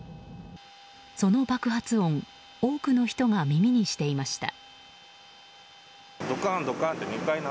その爆発音多くの人が耳にしていました。